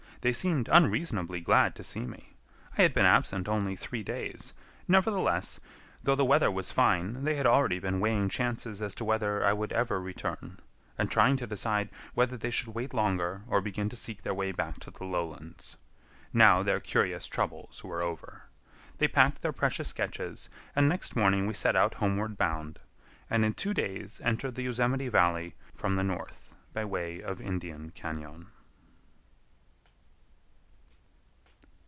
They seemed unreasonably glad to see me. I had been absent only three days; nevertheless, though the weather was fine, they had already been weighing chances as to whether I would ever return, and trying to decide whether they should wait longer or begin to seek their way back to the lowlands. Now their curious troubles were over. They packed their precious sketches, and next morning we set out homeward bound, and in two days entered the Yosemite Valley from the north by way of Indian Cañon.